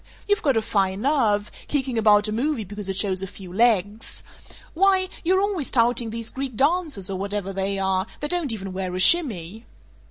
You've got a fine nerve, kicking about a movie because it shows a few legs! Why, you're always touting these Greek dancers, or whatever they are, that don't even wear a shimmy!"